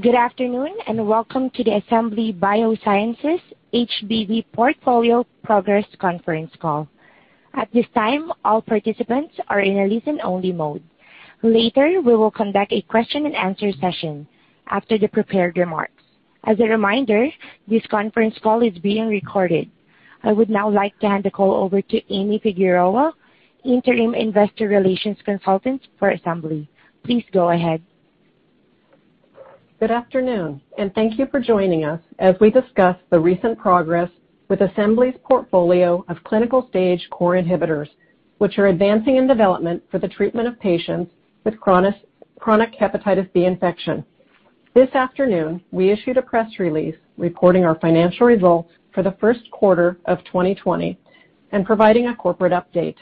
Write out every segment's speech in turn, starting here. Good afternoon, and welcome to the Assembly Biosciences HBV Portfolio Progress Conference Call. At this time, all participants are in a listen-only mode. Later, we will conduct a question-and-answer session after the prepared remarks. As a reminder, this conference call is being recorded. I would now like to hand the call over to Amy Figueroa, interim investor relations consultant for Assembly. Please go ahead. Good afternoon, and thank you for joining us as we discuss the recent progress with Assembly's portfolio of clinical stage core inhibitors, which are advancing in development for the treatment of patients with chronic hepatitis B infection. This afternoon, we issued a press release reporting our financial results for the first quarter of 2020 and providing a corporate update.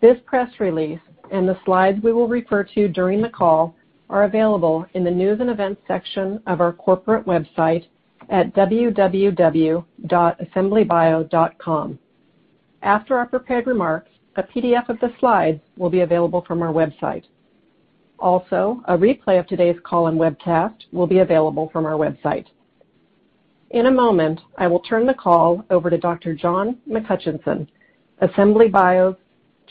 This press release and the slides we will refer to during the call are available in the news and events section of our corporate website at www.assemblybio.com. After our prepared remarks, a PDF of the slides will be available from our website. Also, a replay of today's call and webcast will be available from our website. In a moment, I will turn the call over to Dr. John McHutchison, Assembly Bio's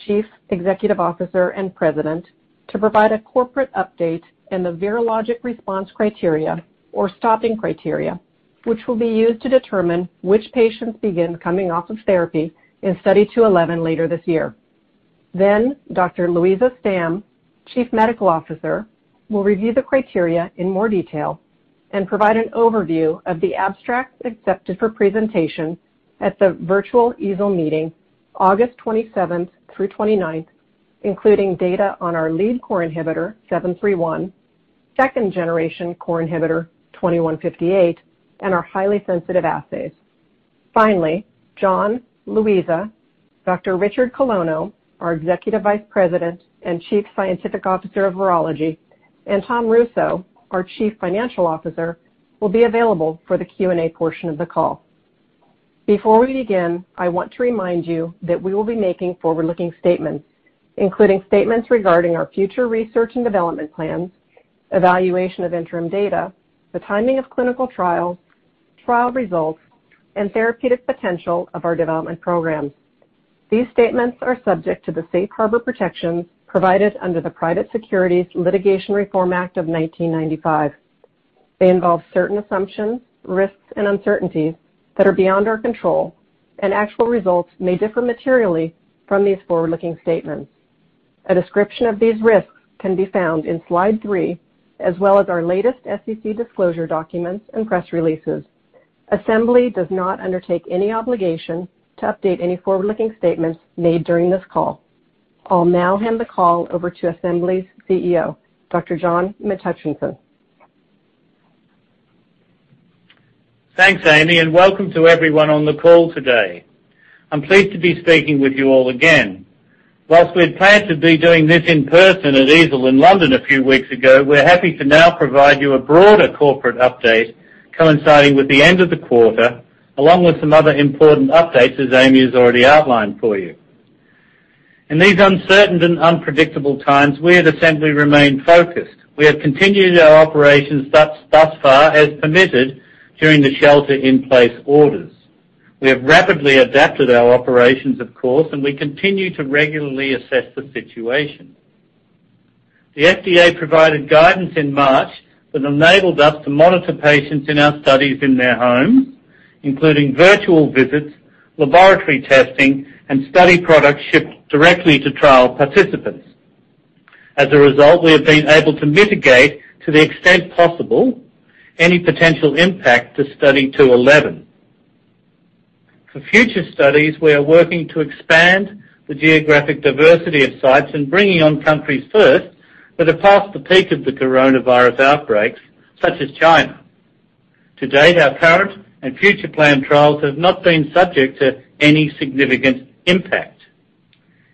chief executive officer and president, to provide a corporate update and the virologic response criteria or stopping criteria, which will be used to determine which patients begin coming off of therapy in Study 211 later this year. Dr. Luisa Stamm, chief medical officer, will review the criteria in more detail and provide an overview of the abstracts accepted for presentation at the virtual EASL meeting August 27th through 29th, including data on our lead core inhibitor ABI-H0731, second-generation core inhibitor ABI-H2158, and our highly sensitive assays. Finally, John, Luisa, Dr. Richard Colonno, our executive vice president and chief scientific officer of virology, and Tom Russo, our chief financial officer, will be available for the Q&A portion of the call. Before we begin, I want to remind you that we will be making forward-looking statements, including statements regarding our future research and development plans, evaluation of interim data, the timing of clinical trials, trial results, and therapeutic potential of our development programs. These statements are subject to the safe harbor protections provided under the Private Securities Litigation Reform Act of 1995. They involve certain assumptions, risks, and uncertainties that are beyond our control. Actual results may differ materially from these forward-looking statements. A description of these risks can be found in slide three, as well as our latest SEC disclosure documents and press releases. Assembly does not undertake any obligation to update any forward-looking statements made during this call. I'll now hand the call over to Assembly's CEO, Dr. John McHutchison. Thanks, Amy. Welcome to everyone on the call today. I'm pleased to be speaking with you all again. While we had planned to be doing this in person at EASL in London a few weeks ago, we're happy to now provide you a broader corporate update coinciding with the end of the quarter, along with some other important updates, as Amy has already outlined for you. In these uncertain and unpredictable times, we at Assembly remain focused. We have continued our operations thus far as permitted during the shelter-in-place orders. We have rapidly adapted our operations, of course. We continue to regularly assess the situation. The FDA provided guidance in March that enabled us to monitor patients in our studies in their homes, including virtual visits, laboratory testing, and study products shipped directly to trial participants. As a result, we have been able to mitigate, to the extent possible, any potential impact to Study 211. For future studies, we are working to expand the geographic diversity of sites and bringing on countries first that are past the peak of the coronavirus outbreaks, such as China. To date, our current and future planned trials have not been subject to any significant impact.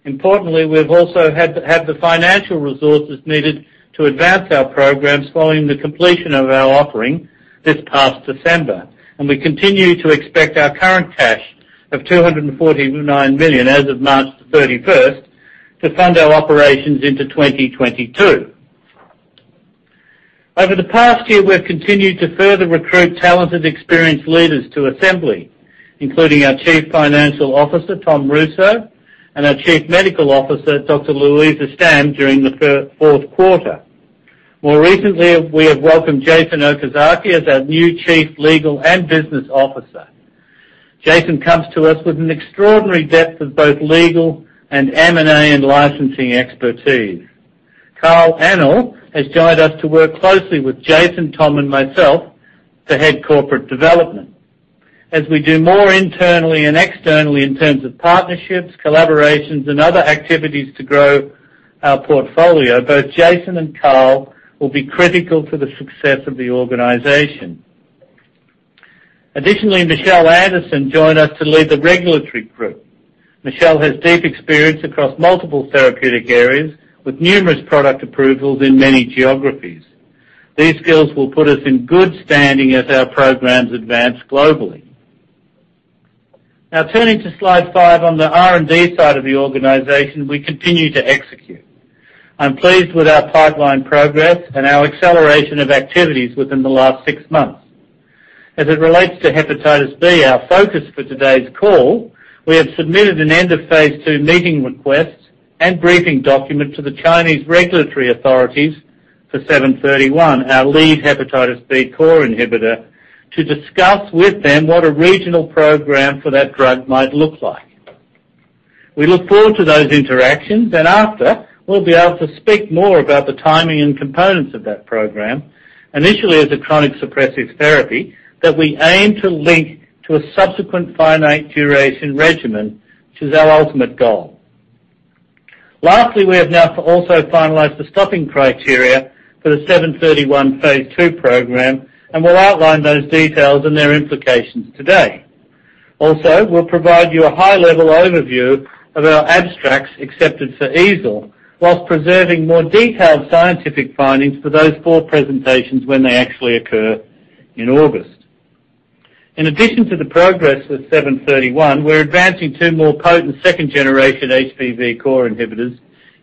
Importantly, we've also had the financial resources needed to advance our programs following the completion of our offering this past December, and we continue to expect our current cash of $249 million as of March 31st to fund our operations into 2022. Over the past year, we've continued to further recruit talented experienced leaders to Assembly, including our Chief Financial Officer, Tom Russo, and our Chief Medical Officer, Dr. Luisa Stamm, during the fourth quarter. More recently, we have welcomed Jason Okazaki as our new Chief Legal and Business Officer. Jason comes to us with an extraordinary depth of both legal and M&A and licensing expertise. Carl Enell has joined us to work closely with Jason, Tom, and myself to head corporate development. As we do more internally and externally in terms of partnerships, collaborations, and other activities to grow our portfolio, both Jason and Carl will be critical to the success of the organization. Additionally, Michele Anderson joined us to lead the regulatory group. Michele has deep experience across multiple therapeutic areas with numerous product approvals in many geographies. These skills will put us in good standing as our programs advance globally. Now turning to slide five on the R&D side of the organization, we continue to execute. I'm pleased with our pipeline progress and our acceleration of activities within the last six months. As it relates to hepatitis B, our focus for today's call, we have submitted an end of phase II meeting request and briefing document to the Chinese regulatory authorities for 731, our lead hepatitis B core inhibitor, to discuss with them what a regional program for that drug might look like. We look forward to those interactions, and after, we'll be able to speak more about the timing and components of that program. Initially, as a chronic suppressive therapy that we aim to link to a subsequent finite duration regimen, which is our ultimate goal. Lastly, we have now also finalized the stopping criteria for the 731 phase II program, and we'll outline those details and their implications today. Also, we'll provide you a high-level overview of our abstracts accepted for EASL, whilst preserving more detailed scientific findings for those four presentations when they actually occur in August. In addition to the progress with 731, we're advancing two more potent second-generation HBV core inhibitors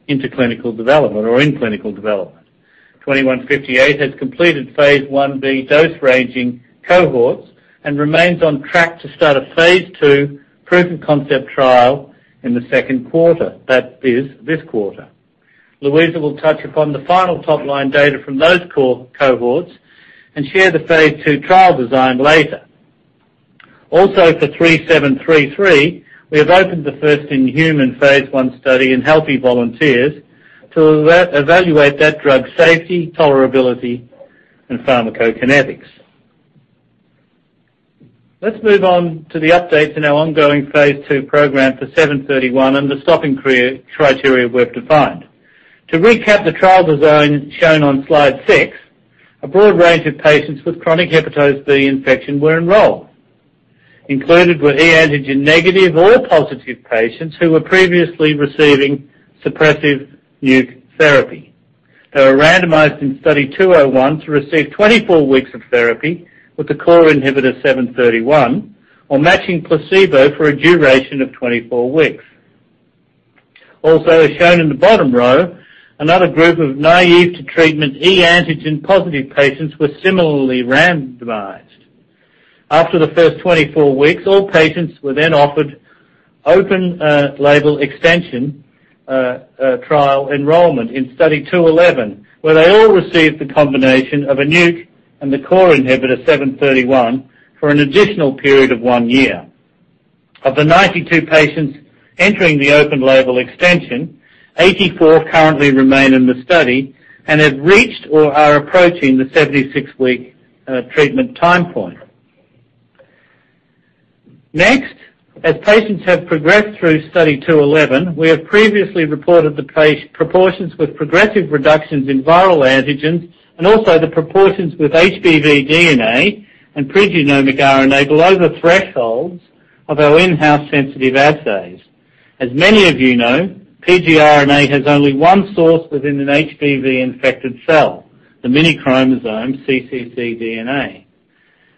into clinical development or in clinical development. 2158 has completed phase I-B dose ranging cohorts and remains on track to start a phase II proof-of-concept trial in the second quarter, that is this quarter. Luisa will touch upon the final top-line data from those core cohorts and share the phase II trial design later. For 3733, we have opened the first-in-human phase I study in healthy volunteers to evaluate that drug safety, tolerability, and pharmacokinetics. Let's move on to the updates in our ongoing phase II program for 731 and the stopping criteria we've defined. To recap the trial design shown on slide six, a broad range of patients with chronic hepatitis B infection were enrolled. Included were e antigen negative or positive patients who were previously receiving suppressive NUC therapy. They were randomized in Study 201 to receive 24 weeks of therapy with the core inhibitor 731 or matching placebo for a duration of 24 weeks. As shown in the bottom row, another group of naive-to-treatment e antigen positive patients were similarly randomized. After the first 24 weeks, all patients were offered open label extension trial enrollment in Study 211, where they all received the combination of a NUC and the core inhibitor 731 for an additional period of one year. Of the 92 patients entering the open label extension, 84 currently remain in the study and have reached or are approaching the 76-week treatment time point. As patients have progressed through Study 211, we have previously reported the proportions with progressive reductions in viral antigens and also the proportions with HBV DNA and pregenomic RNA below the thresholds of our in-house sensitive assays. As many of you know, pgRNA has only one source within an HBV infected cell, the minichromosome cccDNA.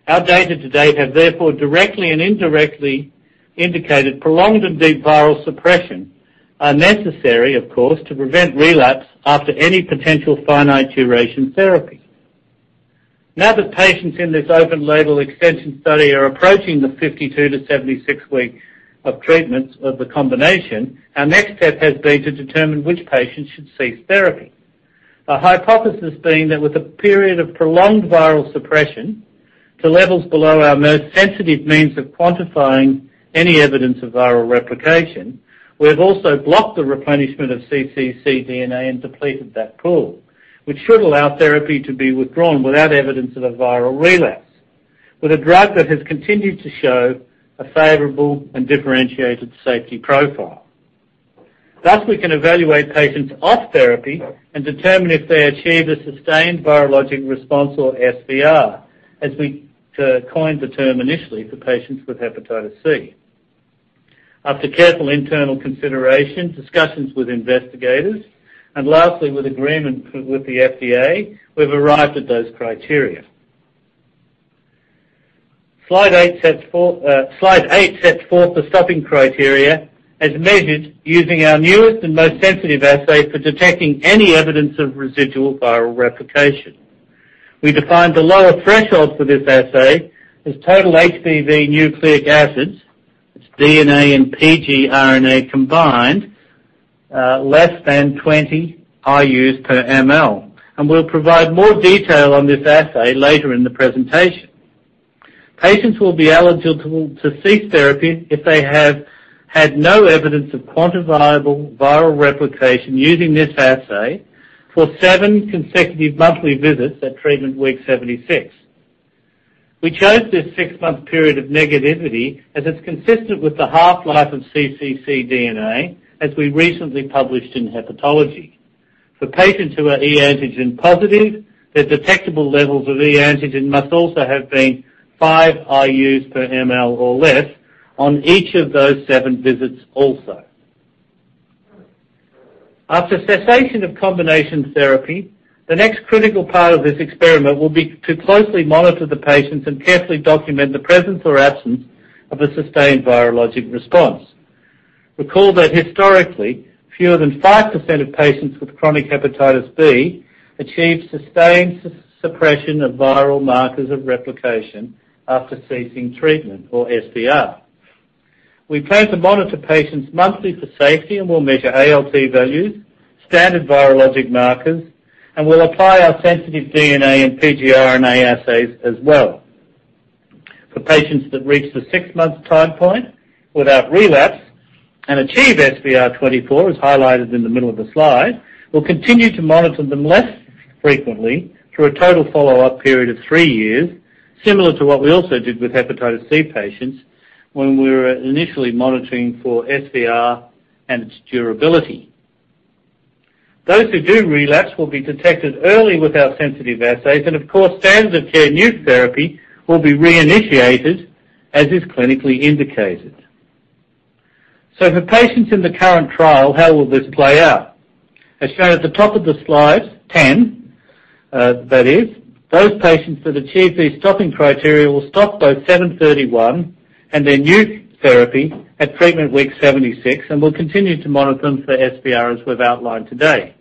Our data to date have therefore directly and indirectly indicated prolonged and deep viral suppression are necessary, of course, to prevent relapse after any potential finite duration therapy. Now that patients in this open label extension study are approaching the 52-76 week of treatments of the combination, our next step has been to determine which patients should cease therapy. Our hypothesis being that with a period of prolonged viral suppression to levels below our most sensitive means of quantifying any evidence of viral replication, we have also blocked the replenishment of cccDNA and depleted that pool, which should allow therapy to be withdrawn without evidence of a viral relapse, with a drug that has continued to show a favorable and differentiated safety profile. Thus, we can evaluate patients off therapy and determine if they achieved a sustained virologic response or SVR, as we coined the term initially for patients with hepatitis C. After careful internal consideration, discussions with investigators, and lastly, with agreement with the FDA, we've arrived at those criteria. Slide eight sets forth the stopping criteria as measured using our newest and most sensitive assay for detecting any evidence of residual viral replication. We defined the lower threshold for this assay as total HBV nucleic acids, its DNA and pgRNA combined, less than 20 IUs per ML, and we'll provide more detail on this assay later in the presentation. Patients will be eligible to cease therapy if they have had no evidence of quantifiable viral replication using this assay for seven consecutive monthly visits at treatment week 76. We chose this six-month period of negativity as it's consistent with the half-life of cccDNA, as we recently published in Hepatology. For patients who are e antigen positive, their detectable levels of e antigen must also have been five IUs per ML or less on each of those seven visits also. After cessation of combination therapy, the next critical part of this experiment will be to closely monitor the patients and carefully document the presence or absence of a sustained virologic response. Recall that historically, fewer than 5% of patients with chronic hepatitis B achieve sustained suppression of viral markers of replication after ceasing treatment, or SVR. We plan to monitor patients monthly for safety, we'll measure ALT values, standard virologic markers, and we'll apply our sensitive DNA and pgRNA assays as well. For patients that reach the six-month time point without relapse and achieve SVR24, as highlighted in the middle of the slide, we'll continue to monitor them less frequently through a total follow-up period of three years, similar to what we also did with hepatitis C patients when we were initially monitoring for SVR and its durability. Those who do relapse will be detected early with our sensitive assays, and of course, standard care NUC therapy will be reinitiated as is clinically indicated. For patients in the current trial, how will this play out? As shown at the top of the slide 10, that is, those patients that achieve these stopping criteria will stop both 731 and their NUC therapy at treatment week 76, and we'll continue to monitor them for SVR as we've outlined today.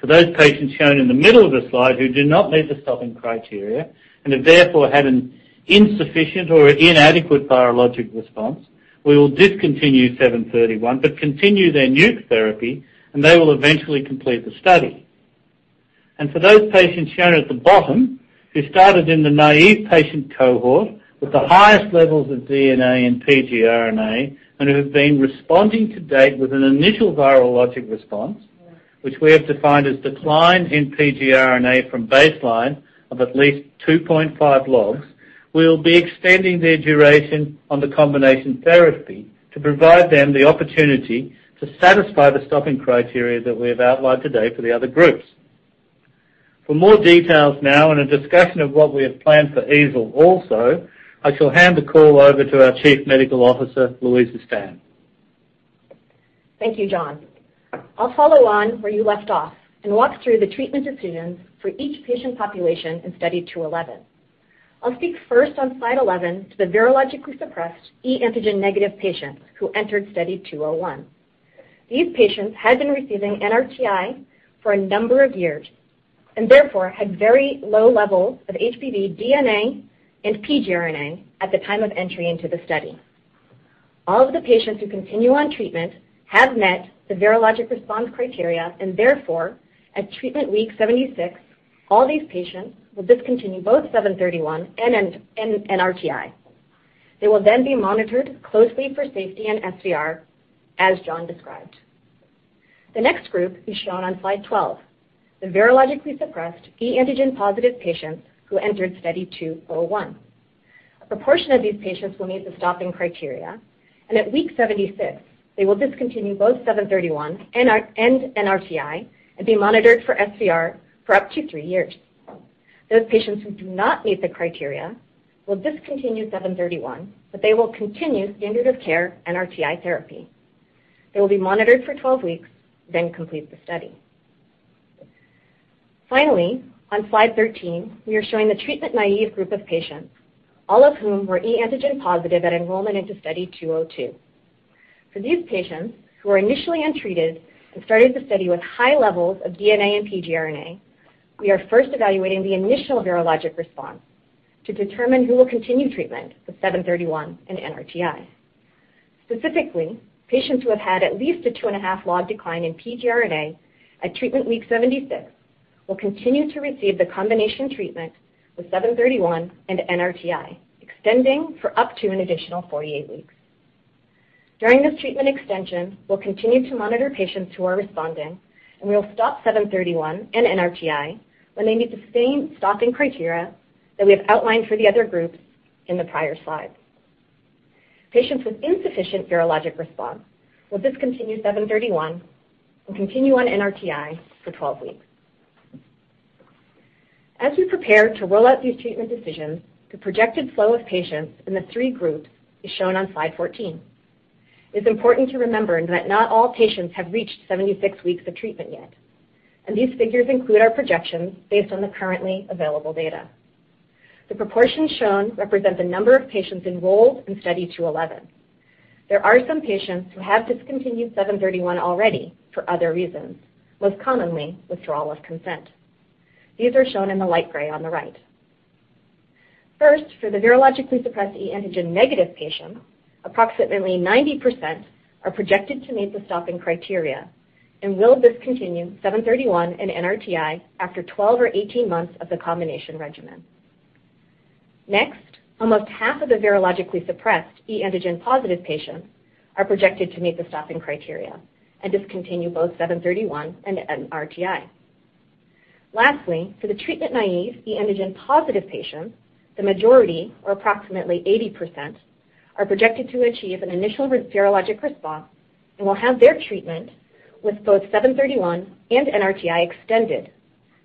For those patients shown in the middle of the slide who do not meet the stopping criteria and have therefore had an insufficient or inadequate virologic response, we will discontinue 731 but continue their NUC therapy, and they will eventually complete the study. For those patients shown at the bottom who started in the naive patient cohort with the highest levels of DNA and pgRNA and who have been responding to date with an initial virologic response, which we have defined as decline in pgRNA from baseline of at least 2.5 logs, we will be extending their duration on the combination therapy to provide them the opportunity to satisfy the stopping criteria that we have outlined today for the other groups. For more details now and a discussion of what we have planned for EASL also, I shall hand the call over to our Chief Medical Officer, Luisa Stamm. Thank you, John. I'll follow on where you left off and walk through the treatment decisions for each patient population in Study 211. I'll speak first on slide 11 to the virologically suppressed e-antigen negative patients who entered Study 201. These patients had been receiving NRTI for a number of years and therefore had very low levels of HBV DNA and pgRNA at the time of entry into the study. All of the patients who continue on treatment have met the virologic response criteria and therefore at treatment week 76, all these patients will discontinue both ABI-H0731 and NRTI. They will be monitored closely for safety and SVR, as John described. The next group is shown on slide 12, the virologically suppressed e-antigen positive patients who entered Study 201. A proportion of these patients will meet the stopping criteria, and at week 76, they will discontinue both ABI-H0731 and NrtI and be monitored for SVR for up to three years. Those patients who do not meet the criteria will discontinue ABI-H0731, but they will continue standard of care NrtI therapy. They will be monitored for 12 weeks, then complete the study. On slide 13, we are showing the treatment-naive group of patients, all of whom were e antigen positive at enrollment into Study 202. For these patients, who were initially untreated and started the study with high levels of DNA and pgRNA, we are first evaluating the initial virologic response to determine who will continue treatment with ABI-H0731 and NrtI. Specifically, patients who have had at least a two and a half log decline in pgRNA at treatment week 76 will continue to receive the combination treatment with ABI-H0731 and NrtI, extending for up to an additional 48 weeks. During this treatment extension, we'll continue to monitor patients who are responding, and we will stop ABI-H0731 and NrtI when they meet the same stopping criteria that we have outlined for the other groups in the prior slides. Patients with insufficient virologic response will discontinue ABI-H0731 and continue on NrtI for 12 weeks. As we prepare to roll out these treatment decisions, the projected flow of patients in the three groups is shown on slide 14. It's important to remember that not all patients have reached 76 weeks of treatment yet, and these figures include our projections based on the currently available data. The proportions shown represent the number of patients enrolled in Study 211. There are some patients who have discontinued ABI-H0731 already for other reasons, most commonly withdrawal of consent. These are shown in the light gray on the right. First, for the virologically suppressed e antigen negative patients, approximately 90% are projected to meet the stopping criteria and will discontinue ABI-H0731 and NrtI after 12 or 18 months of the combination regimen. Next, almost half of the virologically suppressed e antigen positive patients are projected to meet the stopping criteria and discontinue both ABI-H0731 and NrtI. Lastly, for the treatment-naive e antigen positive patients, the majority, or approximately 80%, are projected to achieve an initial virologic response and will have their treatment with both ABI-H0731 and NrtI extended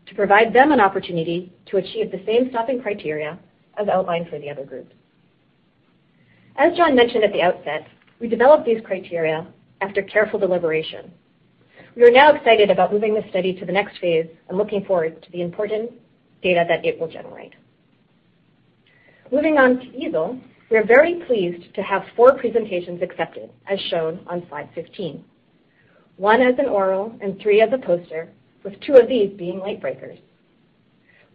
to provide them an opportunity to achieve the same stopping criteria as outlined for the other groups. As John mentioned at the outset, we developed these criteria after careful deliberation. We are now excited about moving the study to the next phase and looking forward to the important data that it will generate. Moving on to EASL, we are very pleased to have four presentations accepted, as shown on slide 15. One as an oral and three as a poster, with two of these being late breakers.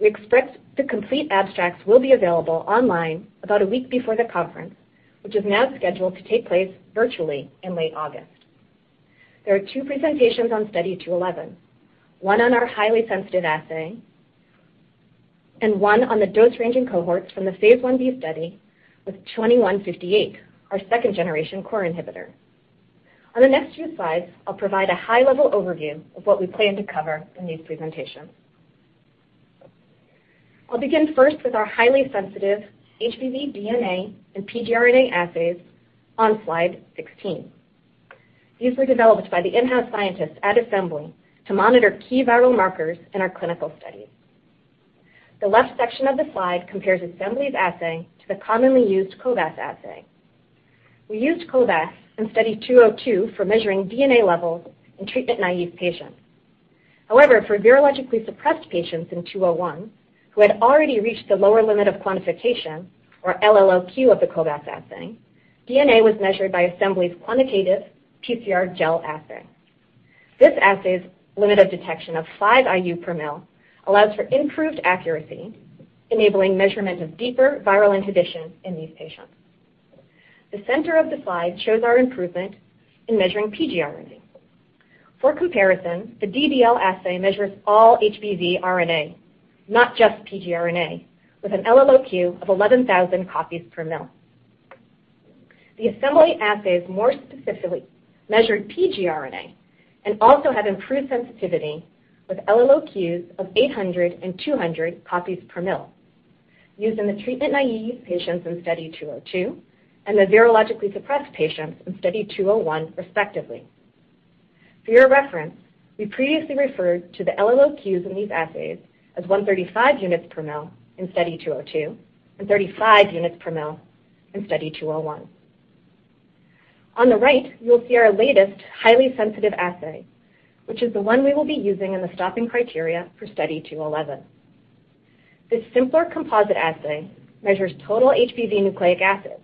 We expect the complete abstracts will be available online about a week before the conference, which is now scheduled to take place virtually in late August. There are two presentations on Study 211, one on our highly sensitive assay and one on the dose ranging cohorts from the phase I-B study with ABI-H2158, our second-generation core inhibitor. On the next few slides, I'll provide a high-level overview of what we plan to cover in these presentations. I'll begin first with our highly sensitive HBV DNA and pgRNA assays on slide 16. These were developed by the in-house scientists at Assembly to monitor key viral markers in our clinical studies. The left section of the slide compares Assembly's assay to the commonly used cobas assay. We used cobas in Study 202 for measuring DNA levels in treatment-naive patients. However, for virologically suppressed patients in Study 201 who had already reached the lower limit of quantification, or LLOQ, of the cobas assay, DNA was measured by Assembly's quantitative [qPCR] assay. This assay's limit of detection of 5 IU per ml allows for improved accuracy, enabling measurement of deeper viral inhibition in these patients. The center of the slide shows our improvement in measuring pgRNA. For comparison, the DDL assay measures all HBV RNA, not just pgRNA, with an LLOQ of 11,000 copies per ml. The Assembly assays more specifically measured pgRNA and also had improved sensitivity with LLOQs of 800 and 200 copies per ml used in the treatment-naive patients in Study 202 and the virologically suppressed patients in Study 201 respectively. For your reference, we previously referred to the LLOQs in these assays as 135 units per ml in Study 202 and 35 units per ml in Study 201. On the right, you will see our latest highly sensitive assay, which is the one we will be using in the stopping criteria for Study 211. This simpler composite assay measures total HBV nucleic acid,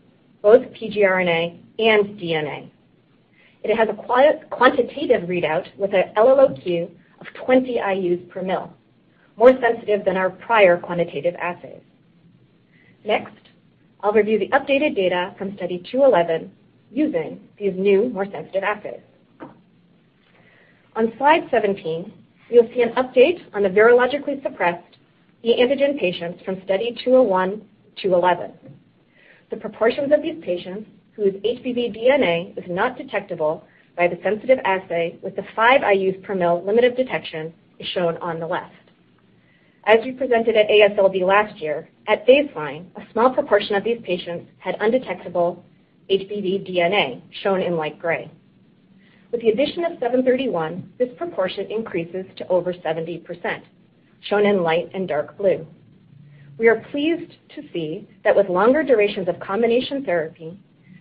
both pgRNA and DNA. It has a quantitative readout with a LLOQ of 20 IUs per ml, more sensitive than our prior quantitative assays. Next, I'll review the updated data from Study 211 using these new, more sensitive assays. On slide 17, you'll see an update on the virologically suppressed e antigen patients from Study 201, 211. The proportions of these patients whose HBV DNA is not detectable by the sensitive assay with the five IUs per ml limit of detection is shown on the left. As we presented at AASLD last year, at baseline, a small proportion of these patients had undetectable HBV DNA, shown in light gray. With the addition of ABI-H0731, this proportion increases to over 70%, shown in light and dark blue. We are pleased to see that with longer durations of combination therapy,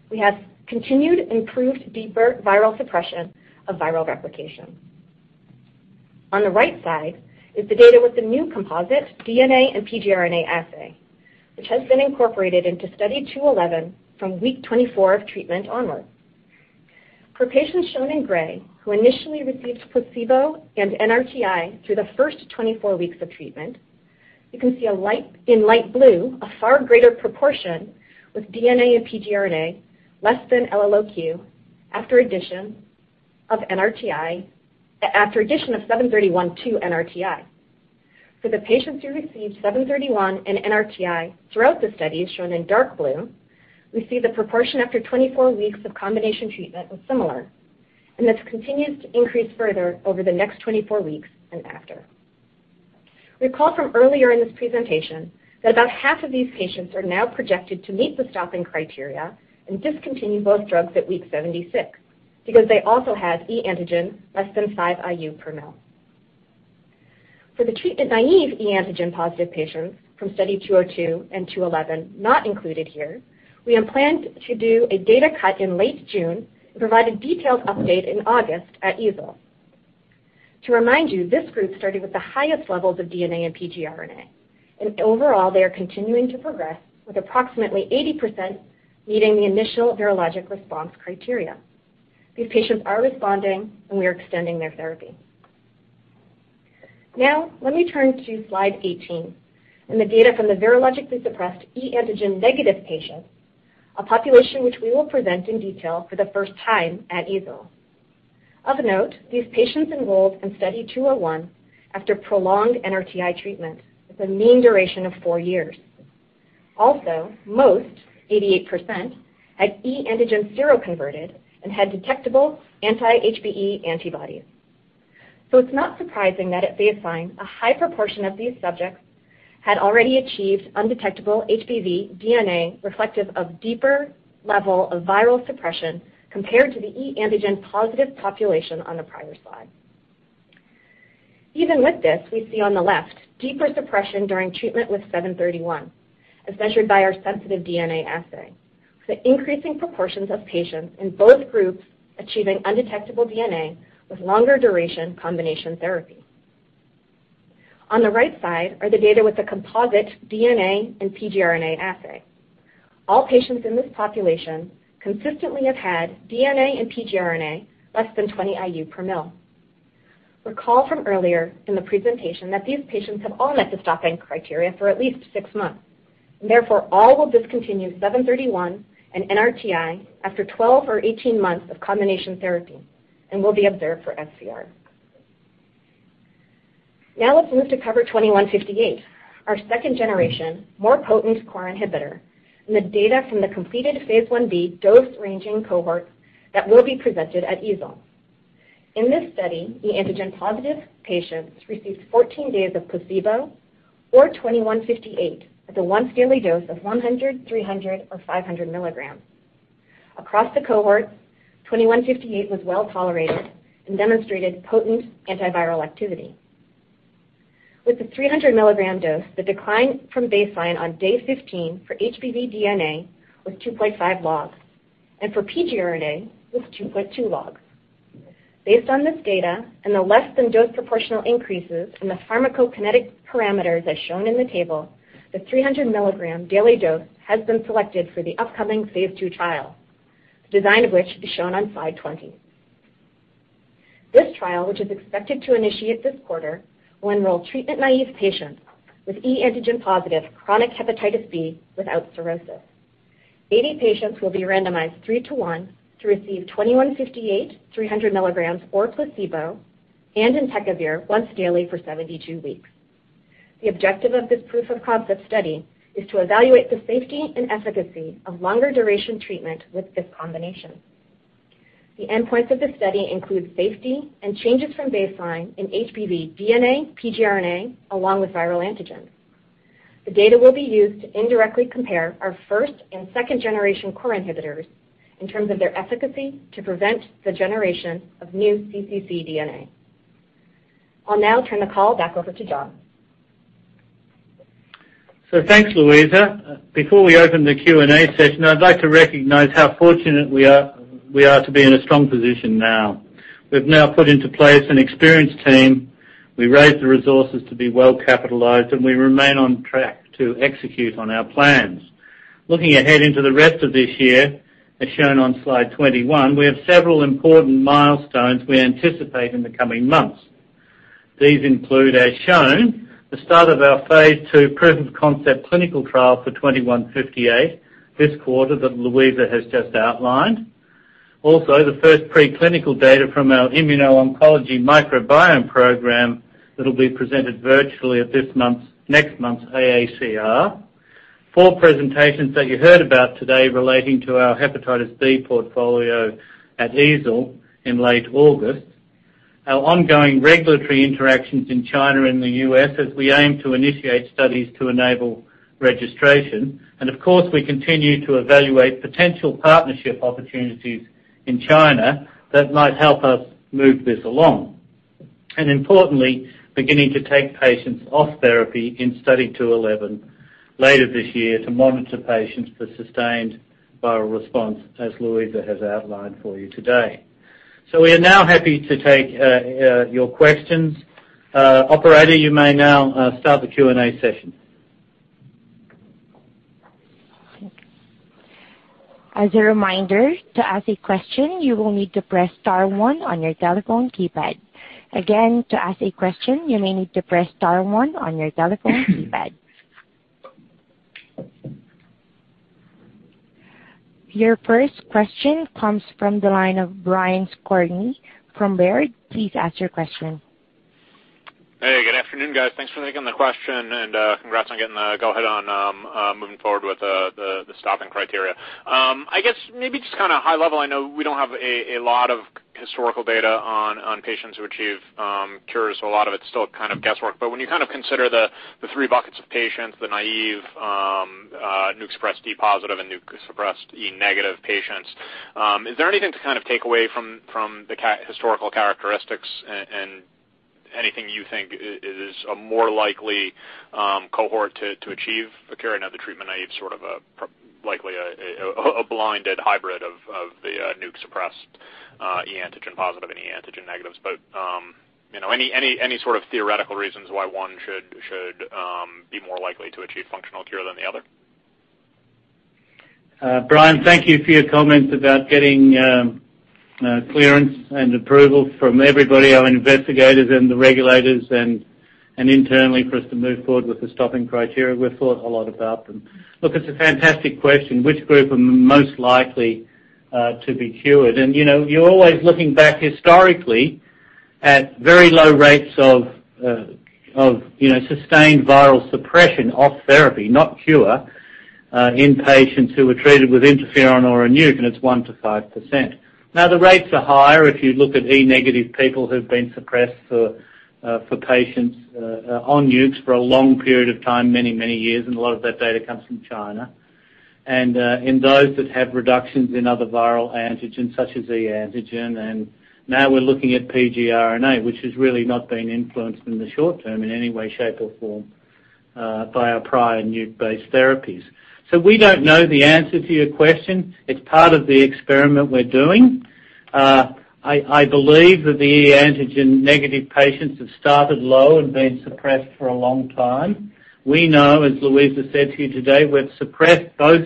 we have continued improved deeper viral suppression of viral replication. On the right side is the data with the new composite DNA and pgRNA assay, which has been incorporated into Study 211 from week 24 of treatment onwards. For patients shown in gray, who initially received placebo and NrtI through the first 24 weeks of treatment, you can see in light blue a far greater proportion with DNA and pgRNA less than LLOQ after addition of ABI-H0731 to NrtI. For the patients who received ABI-H0731 and NrtI throughout the study, shown in dark blue, we see the proportion after 24 weeks of combination treatment was similar, and this continues to increase further over the next 24 weeks and after. Recall from earlier in this presentation that about half of these patients are now projected to meet the stopping criteria and discontinue both drugs at week 76 because they also have e antigen less than five IU per ml. For the treatment-naive e antigen positive patients from Study 202 and 211 not included here, we have planned to do a data cut in late June and provide a detailed update in August at EASL. To remind you, this group started with the highest levels of DNA and pgRNA, and overall, they are continuing to progress with approximately 80% meeting the initial virologic response criteria. These patients are responding, and we are extending their therapy. Now let me turn to slide 18 and the data from the virologically suppressed e antigen negative patients, a population which we will present in detail for the first time at EASL. Of note, these patients enrolled in Study 201 after prolonged NrtI treatment with a mean duration of four years. Most, 88%, had e antigen seroconverted and had detectable anti-HBe antibodies. It's not surprising that at baseline, a high proportion of these subjects had already achieved undetectable HBV DNA reflective of deeper level of viral suppression compared to the e antigen positive population on the prior slide. Even with this, we see on the left deeper suppression during treatment with ABI-H0731, as measured by our sensitive DNA assay, with increasing proportions of patients in both groups achieving undetectable DNA with longer duration combination therapy. On the right side are the data with the composite DNA and pgRNA assay. All patients in this population consistently have had DNA and pgRNA less than 20 IU per mil. Recall from earlier in the presentation that these patients have all met the stopping criteria for at least six months, and therefore all will discontinue ABI-H0731 and NrtI after 12 or 18 months of combination therapy and will be observed for SVR. Let's move to cover ABI-H2158, our second-generation, more potent core inhibitor, and the data from the completed phase 1-B dose-ranging cohort that will be presented at EASL. In this study, e antigen-positive patients received 14 days of placebo or ABI-H2158 at the once daily dose of 100, 300 or 500 milligrams. Across the cohort, ABI-H2158 was well tolerated and demonstrated potent antiviral activity. With the 300 mg dose, the decline from baseline on day 15 for HBV DNA was 2.5 logs, and for pgRNA was 2.2 logs. Based on this data and the less than dose proportional increases in the pharmacokinetic parameters as shown in the table, the 300 mg daily dose has been selected for the upcoming phase II trial, the design of which is shown on slide 20. This trial, which is expected to initiate this quarter, will enroll treatment-naive patients with e antigen positive chronic hepatitis B without cirrhosis. 80 patients will be randomized 3:1 to receive ABI-H2158, 300 mg or placebo, and entecavir once daily for 72 weeks. The objective of this proof of concept study is to evaluate the safety and efficacy of longer duration treatment with this combination. The endpoints of this study include safety and changes from baseline in HBV DNA, pgRNA, along with viral antigens. The data will be used to indirectly compare our first and second generation core inhibitors in terms of their efficacy to prevent the generation of new cccDNA. I'll now turn the call back over to John. Thanks, Luisa. Before we open the Q&A session, I'd like to recognize how fortunate we are to be in a strong position now. We've now put into place an experienced team, we raised the resources to be well capitalized, and we remain on track to execute on our plans. Looking ahead into the rest of this year, as shown on slide 21, we have several important milestones we anticipate in the coming months. These include, as shown, the start of our phase II proof of concept clinical trial for ABI-H2158 this quarter that Luisa has just outlined. Also, the first preclinical data from our immuno-oncology microbiome program that will be presented virtually at next month's AACR. four presentations that you heard about today relating to our hepatitis B portfolio at EASL in late August. Our ongoing regulatory interactions in China and the U.S. as we aim to initiate studies to enable registration. Of course, we continue to evaluate potential partnership opportunities in China that might help us move this along. Importantly, beginning to take patients off therapy in Study 211 later this year to monitor patients for sustained virologic response, as Luisa has outlined for you today. We are now happy to take your questions. Operator, you may now start the Q&A session. As a reminder, to ask a question, you will need to press star one on your telephone keypad. Again, to ask a question, you may need to press star one on your telephone keypad. Your first question comes from the line of Brian Skorney from Baird. Please ask your question. Hey, good afternoon, guys. Thanks for taking the question and congrats on getting the go ahead on moving forward with the stopping criteria. I guess maybe just high level, I know we don't have a lot of historical data on patients who achieve cures. A lot of it's still guesswork. When you consider the three buckets of patients, the naive, NUC-expressed e+ and NUC suppressed e- patients, is there anything to take away from the historical characteristics and anything you think is a more likely cohort to achieve a cure? I know the treatment naive sort of likely a blinded hybrid of the NUC suppressed e antigen positive and e antigen negatives. Any sort of theoretical reasons why one should be more likely to achieve functional cure than the other? Brian Skorney, thank you for your comments about getting clearance and approval from everybody, our investigators and the regulators and internally for us to move forward with the stopping criteria. We've thought a lot about them. Look, it's a fantastic question. Which group are most likely to be cured? You're always looking back historically at very low rates of sustained viral suppression off therapy, not cure in patients who were treated with interferon or a NUC, and it's 1%-5%. Now, the rates are higher if you look at e antigen negative people who've been suppressed for patients on NUCs for a long period of time, many years, a lot of that data comes from China. In those that have reductions in other viral antigens such as e antigen, and now we're looking at pgRNA, which has really not been influenced in the short term in any way, shape, or form by our prior NUC-based therapies. We don't know the answer to your question. It's part of the experiment we're doing. I believe that the e antigen negative patients have started low and been suppressed for a long time. We know, as Luisa said to you today, we've suppressed both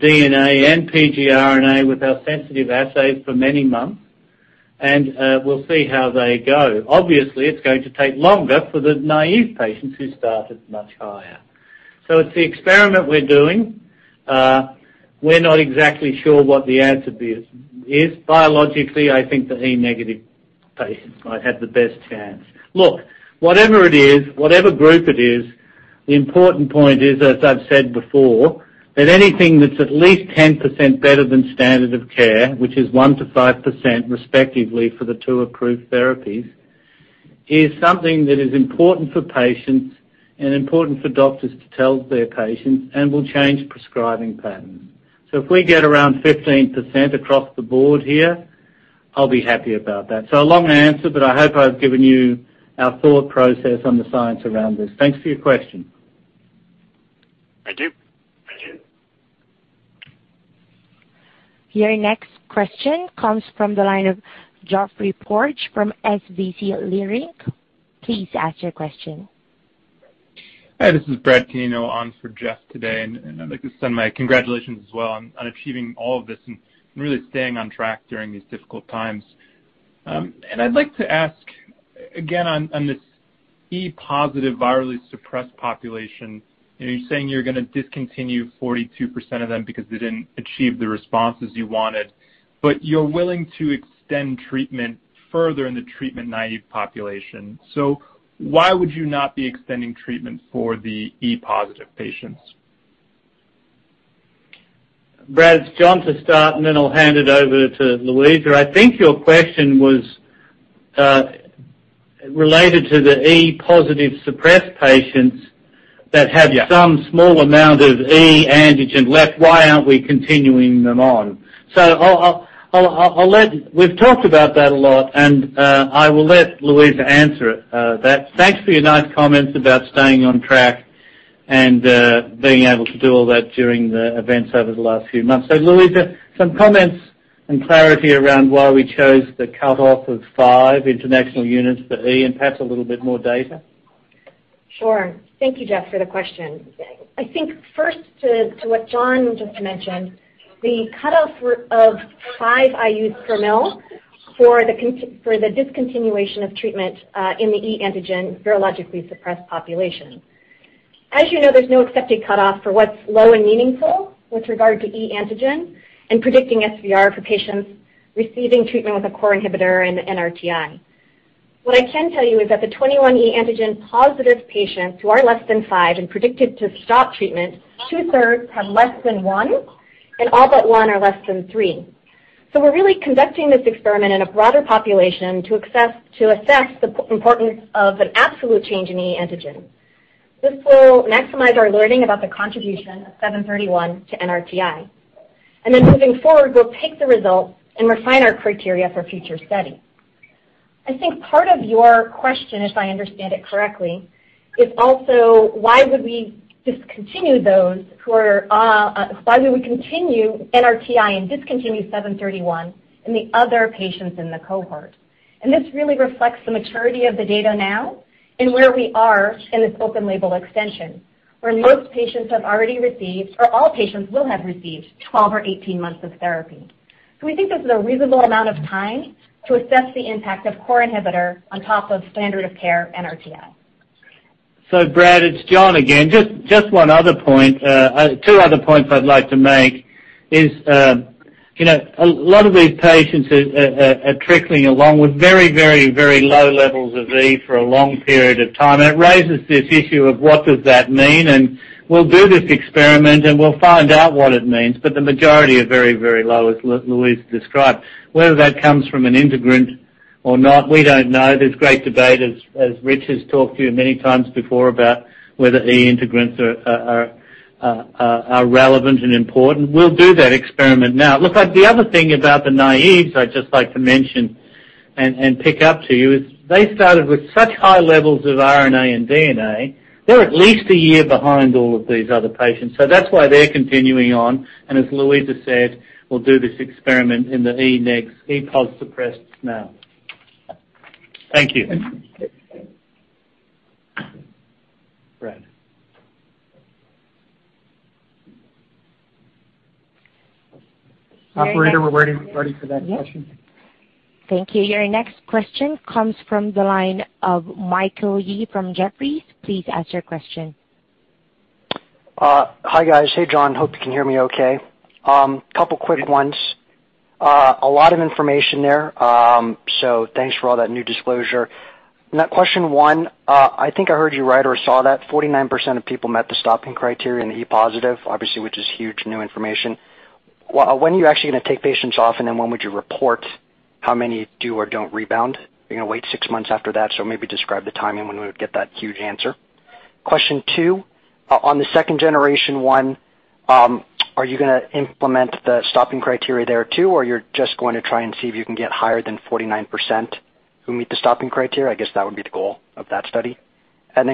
DNA and pgRNA with our sensitive assays for many months, and we'll see how they go. Obviously, it's going to take longer for the naive patients who started much higher. It's the experiment we're doing. We're not exactly sure what the answer is. Biologically, I think the e-negative patients might have the best chance. Look, whatever it is, whatever group it is, the important point is, as I've said before, that anything that's at least 10% better than standard of care, which is 1%-5% respectively for the two approved therapies, is something that is important for patients and important for doctors to tell their patients and will change prescribing patterns. If we get around 15% across the board here, I'll be happy about that. A long answer, but I hope I've given you our thought process on the science around this. Thanks for your question. Thank you. Your next question comes from the line of Geoffrey Porges from SVB Leerink. Please ask your question. Hi, this is Brad Canino on for Geoff today. I'd like to send my congratulations as well on achieving all of this and really staying on track during these difficult times. I'd like to ask again on this e positive virally suppressed population, you're saying you're going to discontinue 42% of them because they didn't achieve the responses you wanted, but you're willing to extend treatment further in the treatment-naive population. Why would you not be extending treatment for the e positive patients? Brad, it's John to start, and then I'll hand it over to Luisa. I think your question was related to the e positive suppressed patients that have some small amount of e antigen left. Why aren't we continuing them on? We've talked about that a lot, and I will let Luisa answer that. Thanks for your nice comments about staying on track and being able to do all that during the events over the last few months. Luisa, some comments and clarity around why we chose the cutoff of five international units for e and perhaps a little bit more data. Sure. Thank you, Geoff, for the question. To what John just mentioned, the cutoff of five IUs per mL for the discontinuation of treatment in the e antigen virologically suppressed population. As you know, there's no accepted cutoff for what's low and meaningful with regard to e antigen and predicting SVR for patients receiving treatment with a core inhibitor and NrtI. What I can tell you is that the 21 e antigen positive patients who are less than five and predicted to stop treatment, 2/3 have less than one, and all but one are less than three. We're really conducting this experiment in a broader population to assess the importance of an absolute change in e antigen. This will maximize our learning about the contribution of ABI-H0731 to NrtI. Moving forward, we'll take the results and refine our criteria for future study. I think part of your question, if I understand it correctly, is also why would we continue NrtI and discontinue ABI-H0731 in the other patients in the cohort? This really reflects the maturity of the data now and where we are in this open label extension, where most patients have already received, or all patients will have received 12 or 18 months of therapy. We think this is a reasonable amount of time to assess the impact of core inhibitor on top of standard of care NrtI. Brad, it's John again. Just one other point. Two other points I'd like to make is a lot of these patients are trickling along with very low levels of e for a long period of time, and it raises this issue of what does that mean, and we'll do this experiment, and we'll find out what it means. The majority are very low, as Luisa described. Whether that comes from an integrant or not, we don't know. There's great debate, as Rich has talked to you many times before, about whether e integrants are relevant and important. We'll do that experiment. Look, the other thing about the naives I'd just like to mention and pick up to you is they started with such high levels of RNA and DNA. They're at least a year behind all of these other patients. That's why they're continuing on. As Luisa said, we'll do this experiment in the e positive suppressed now. Thank you. Operator, we're ready for that question. Yes. Thank you. Your next question comes from the line of Michael Yee from Jefferies. Please ask your question. Hi, guys. Hey, John. Hope you can hear me okay. Couple quick ones. A lot of information there. Thanks for all that new disclosure. Question one, I think I heard you right or saw that 49% of people met the stopping criteria in the e positive, obviously, which is huge new information. When are you actually going to take patients off, and then when would you report how many do or don't rebound? Are you going to wait six months after that? Maybe describe the timing when we would get that huge answer. Question two, on the second generation one, are you going to implement the stopping criteria there too, or you're just going to try and see if you can get higher than 49% who meet the stopping criteria? I guess that would be the goal of that study.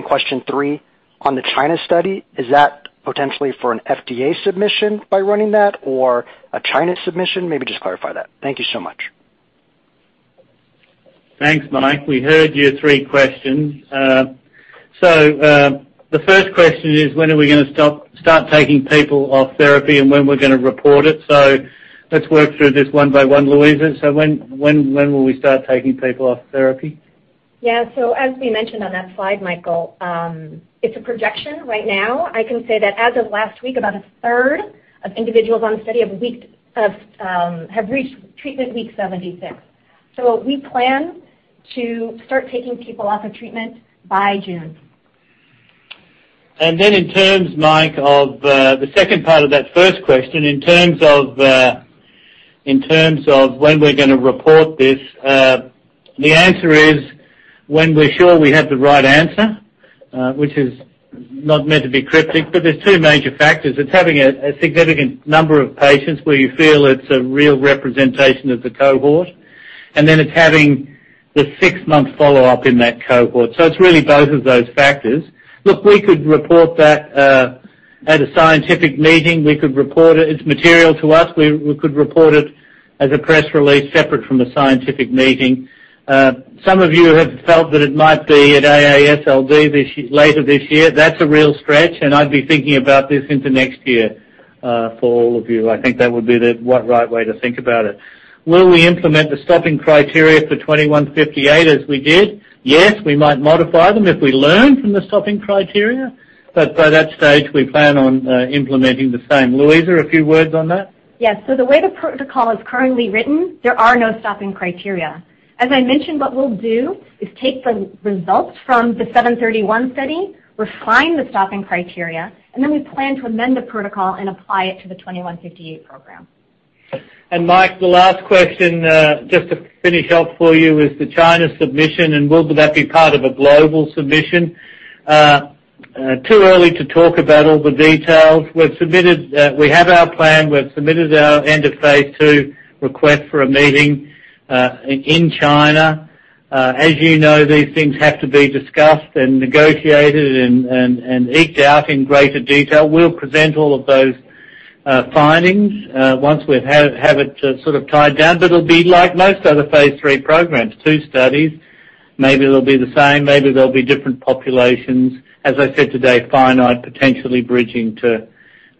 Question three, on the China study, is that potentially for an FDA submission by running that or a China submission? Maybe just clarify that. Thank you so much. Thanks, Mike. We heard your three questions. The first question is, when are we going to start taking people off therapy and when we're going to report it? Let's work through this one by one. Luisa, when will we start taking people off therapy? Yeah. As we mentioned on that slide, Michael, it's a projection right now. I can say that as of last week, about a third of individuals on the study have reached treatment week 76. We plan to start taking people off of treatment by June. In terms, Mike, of the second part of that first question, in terms of when we're going to report this, the answer is when we're sure we have the right answer, which is not meant to be cryptic, but there's two major factors. It's having a significant number of patients where you feel it's a real representation of the cohort, and then it's having the six-month follow-up in that cohort. It's really both of those factors. Look, we could report that at a scientific meeting. It's material to us. We could report it as a press release separate from the scientific meeting. Some of you have felt that it might be at AASLD later this year. That's a real stretch, and I'd be thinking about this into next year for all of you. I think that would be the right way to think about it. Will we implement the stopping criteria for ABI-H2158 as we did? Yes. We might modify them if we learn from the stopping criteria, but by that stage, we plan on implementing the same. Luisa, a few words on that? Yes. The way the protocol is currently written, there are no stopping criteria. As I mentioned, what we'll do is take the results from the ABI-H0731 study, refine the stopping criteria, and then we plan to amend the protocol and apply it to the ABI-H2158 program. Mike, the last question, just to finish up for you, is the China submission, and will that be part of a global submission? Too early to talk about all the details. We have our plan. We've submitted our end of phase II request for a meeting in China. As you know, these things have to be discussed and negotiated and eked out in greater detail. We'll present all of those findings once we have it sort of tied down. It'll be like most other phase III programs, two studies. Maybe they'll be the same, maybe they'll be different populations. As I said today, finite potentially bridging to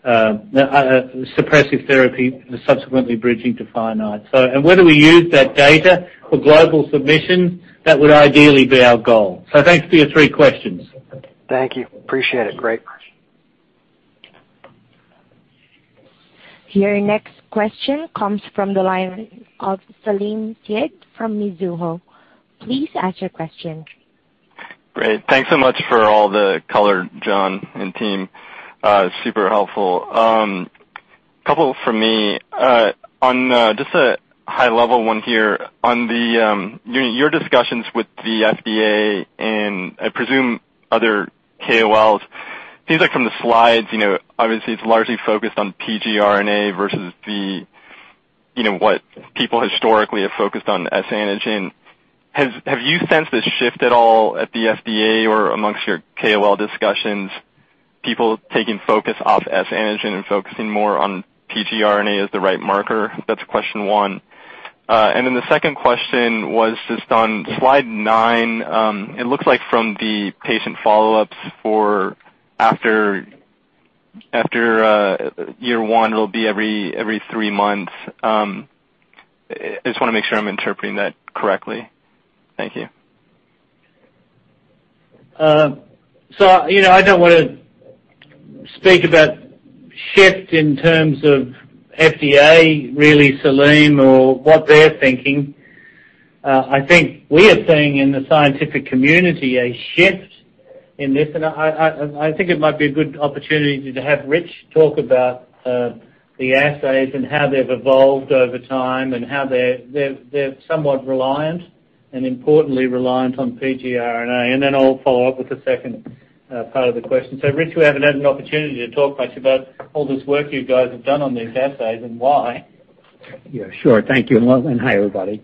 suppressive therapy, subsequently bridging to finite. Whether we use that data for global submissions, that would ideally be our goal. Thanks for your three questions. Thank you. Appreciate it. Great. Your next question comes from the line of Salim Syed from Mizuho. Please ask your question. Great. Thanks so much for all the color, John and team. Super helpful. Couple from me. On just a high-level one here, on your discussions with the FDA and I presume other KOLs, seems like from the slides, obviously it's largely focused on pgRNA versus what people historically have focused on, S-antigen. Have you sensed a shift at all at the FDA or amongst your KOL discussions, people taking focus off S-antigen and focusing more on pgRNA as the right marker? That's question one. The second question was just on slide nine. It looks like from the patient follow-ups for after year one, it'll be every three months. I just want to make sure I'm interpreting that correctly. Thank you. I don't want to speak about shift in terms of FDA really, Salim, or what they're thinking. I think we are seeing in the scientific community a shift in this, and I think it might be a good opportunity to have Rich talk about the assays and how they've evolved over time and how they're somewhat reliant and importantly reliant on pgRNA. Then I'll follow up with the second part of the question. Rich, we haven't had an opportunity to talk much about all this work you guys have done on these assays and why. Yeah, sure. Thank you. Hi, everybody.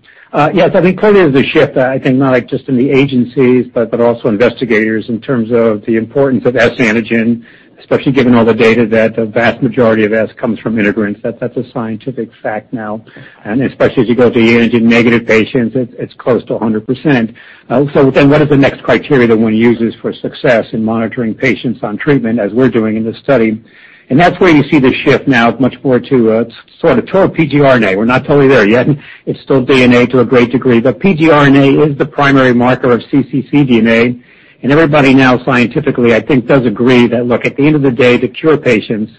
Yes, I think clearly there's a shift, I think not just in the agencies, but also investigators in terms of the importance of S-antigen, especially given all the data that the vast majority of S comes from integrants. That's a scientific fact now. Especially as you go to the e antigen negative patients, it's close to 100%. What is the next criteria that one uses for success in monitoring patients on treatment as we're doing in this study? That's where you see the shift now much more to sort of toward pgRNA. We're not totally there yet. It's still DNA to a great degree, but pgRNA is the primary marker of cccDNA. Everybody now scientifically, I think does agree that, look, at the end of the day, to cure patients,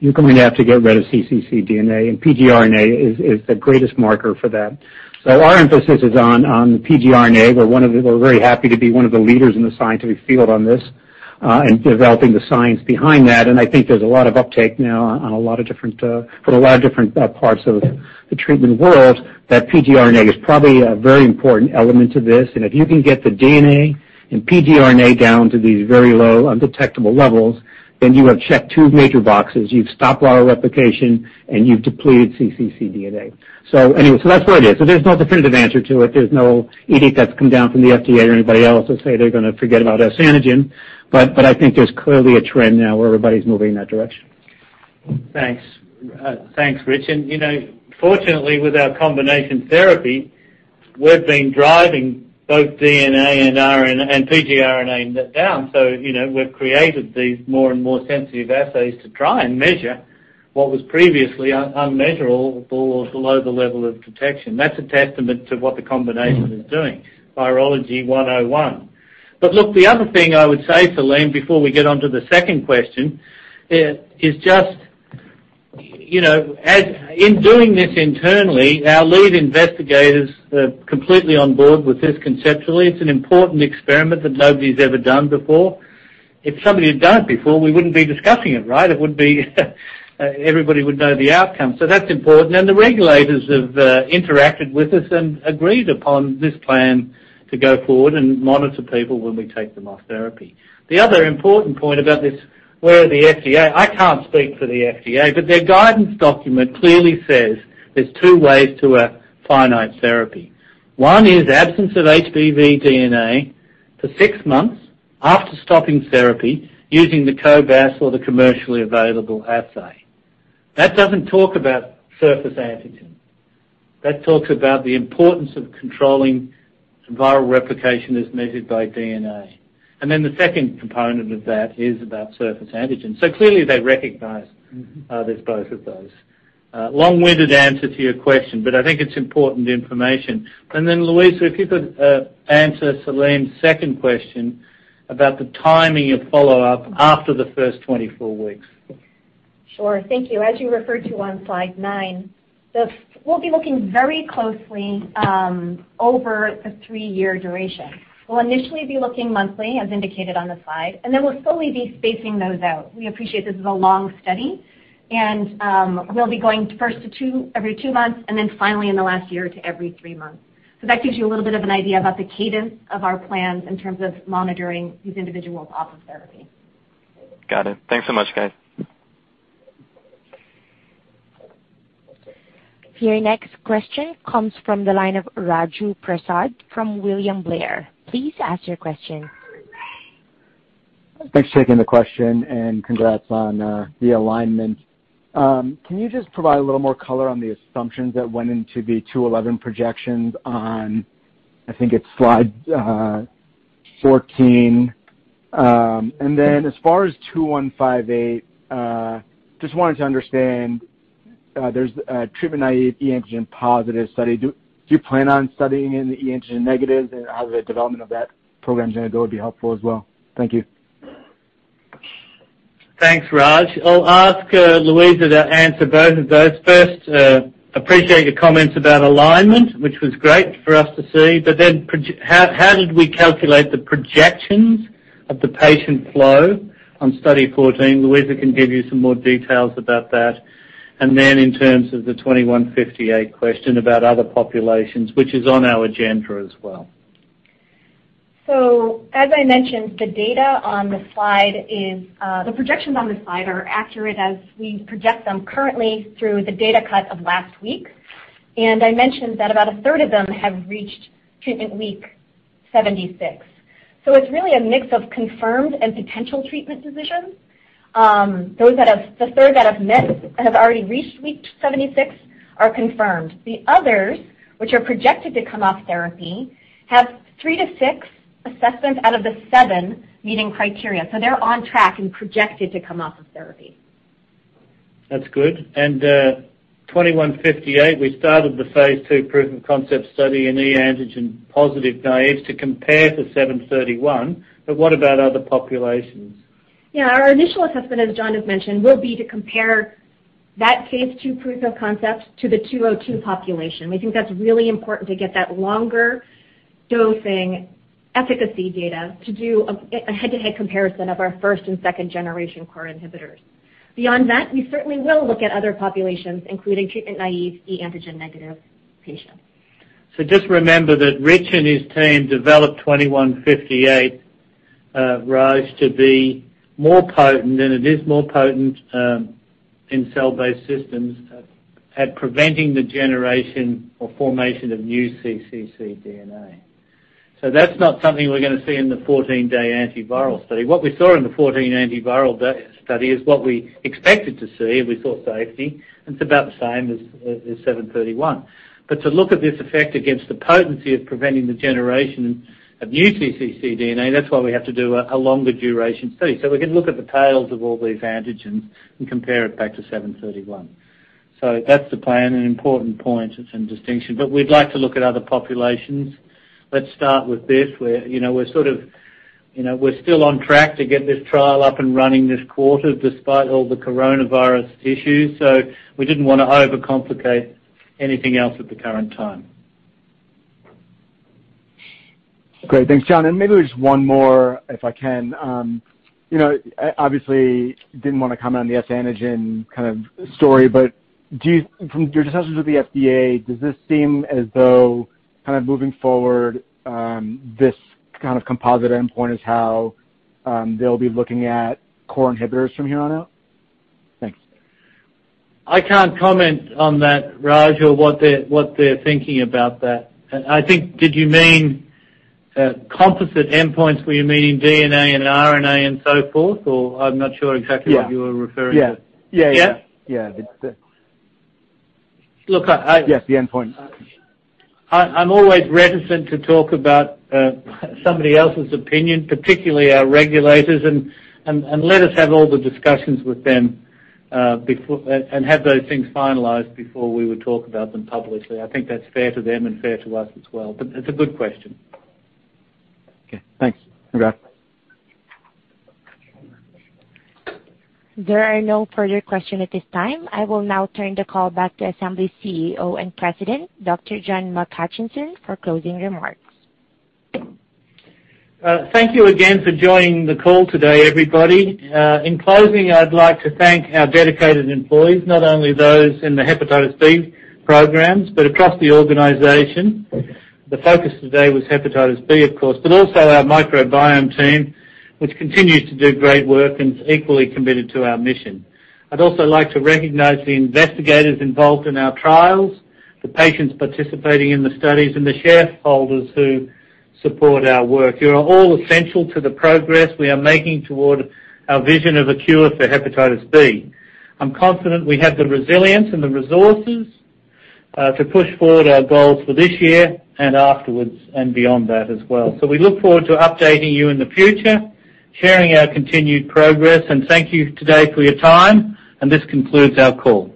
you're going to have to get rid of cccDNA and pgRNA is the greatest marker for that. Our emphasis is on pgRNA. We're very happy to be one of the leaders in the scientific field on this. Developing the science behind that, I think there's a lot of uptake now from a lot of different parts of the treatment world that pgRNA is probably a very important element to this. If you can get the DNA and pgRNA down to these very low undetectable levels, then you have checked two major boxes. You've stopped viral replication and you've depleted cccDNA. That's where it is. There's no definitive answer to it. There's no edict that's come down from the FDA or anybody else that say they're going to forget about S-antigen. I think there's clearly a trend now where everybody's moving in that direction. Thanks. Thanks, Rich. Fortunately with our combination therapy, we've been driving both DNA and pgRNA down. We've created these more and more sensitive assays to try and measure what was previously unmeasurable or below the level of detection. That's a testament to what the combination is doing, virology 101. Look, the other thing I would say, Salim, before we get onto the second question, is just, as in doing this internally, our lead investigators are completely on board with this conceptually. It's an important experiment that nobody's ever done before. If somebody had done it before, we wouldn't be discussing it, right? Everybody would know the outcome. That's important, and the regulators have interacted with us and agreed upon this plan to go forward and monitor people when we take them off therapy. The other important point about this, where the FDA, I can't speak for the FDA, but their guidance document clearly says there's two ways to a finite therapy. One is absence of HBV DNA for six months after stopping therapy using the cobas or the commercially available assay. That doesn't talk about surface antigen. That talks about the importance of controlling viral replication as measured by DNA. The second component of that is about surface antigen. Clearly they recognize there's both of those. Long-winded answer to your question, but I think it's important information. Luisa, if you could answer Salim's second question about the timing of follow-up after the first 24 weeks. Sure. Thank you. As you referred to on slide nine, we'll be looking very closely over the three-year duration. We'll initially be looking monthly, as indicated on the slide, and then we'll slowly be spacing those out. We appreciate this is a long study and we'll be going first to every two months, and then finally in the last year to every three months. That gives you a little bit of an idea about the cadence of our plans in terms of monitoring these individuals off of therapy. Got it. Thanks so much, guys. Your next question comes from the line of Raju Prasad from William Blair. Please ask your question. Thanks for taking the question, and congrats on the alignment. Can you just provide a little more color on the assumptions that went into the Study 211 projections on, I think it's slide 14? As far as ABI-H2158, just wanted to understand, there's a treatment naive e antigen positive study. Do you plan on studying in the e antigen negatives and how the development of that program genotype would be helpful as well? Thank you. Thanks, Raj. I'll ask Luisa to answer both of those. Appreciate your comments about alignment, which was great for us to see. How did we calculate the projections of the patient flow on study 14? Luisa can give you some more details about that. In terms of the ABI-H2158 question about other populations, which is on our agenda as well. As I mentioned, the projections on the slide are accurate as we project them currently through the data cut of last week. I mentioned that about a third of them have reached treatment week 76. It's really a mix of confirmed and potential treatment decisions. The third that have already reached week 76 are confirmed. The others, which are projected to come off therapy, have three to six assessments out of the seven meeting criteria. They're on track and projected to come off of therapy. That's good. ABI-H2158, we started the phase II proof of concept study in e antigen positive naives to compare to 731. What about other populations? Yeah, our initial assessment, as John has mentioned, will be to compare that Phase II proof of concept to the 202 population. We think that's really important to get that longer dosing efficacy data to do a head-to-head comparison of our first and second generation core inhibitors. Beyond that, we certainly will look at other populations, including treatment naive e antigen negative patients. Just remember that Rich and his team developed ABI-H2158, Raj, to be more potent, and it is more potent in cell-based systems at preventing the generation or formation of new cccDNA. That's not something we're going to see in the 14-day antiviral study. What we saw in the 14 antiviral study is what we expected to see, and we saw safety, and it's about the same as ABI-H0731. To look at this effect against the potency of preventing the generation of new cccDNA, that's why we have to do a longer duration study. We can look at the tails of all these antigens and compare it back to ABI-H0731. That's the plan, an important point and distinction. We'd like to look at other populations. Let's start with this. We're sort of still on track to get this trial up and running this quarter despite all the coronavirus issues, so we didn't want to overcomplicate anything else at the current time. Great. Thanks, John. Maybe just one more if I can? Obviously, didn't want to comment on the S-antigen kind of story, but from your discussions with the FDA, does this seem as though kind of moving forward, this kind of composite endpoint is how they'll be looking at core inhibitors from here on out? Thanks. I can't comment on that, Raj, or what they're thinking about that. Did you mean composite endpoints, were you meaning DNA and RNA and so forth, or I'm not sure exactly what you were referring to? Yeah. Yeah? Yeah. Look, Yes, the endpoint. I'm always reticent to talk about somebody else's opinion, particularly our regulators and let us have all the discussions with them and have those things finalized before we would talk about them publicly. I think that's fair to them and fair to us as well. It's a good question. Okay, thanks. Bye-bye. There are no further questions at this time. I will now turn the call back to Assembly CEO and President, Dr. John McHutchison, for closing remarks. Thank you again for joining the call today, everybody. In closing, I'd like to thank our dedicated employees, not only those in the hepatitis B programs, but across the organization. The focus today was hepatitis B, of course, but also our microbiome team, which continues to do great work and is equally committed to our mission. I'd also like to recognize the investigators involved in our trials, the patients participating in the studies, and the shareholders who support our work. You are all essential to the progress we are making toward our vision of a cure for hepatitis B. I'm confident we have the resilience and the resources to push forward our goals for this year and afterwards and beyond that as well. We look forward to updating you in the future, sharing our continued progress, and thank you today for your time, and this concludes our call.